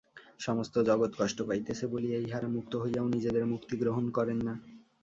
সমস্ত জগৎ কষ্ট পাইতেছে বলিয়া ইঁহারা মুক্ত হইয়াও নিজেদের মুক্তি গ্রহণ করেন না।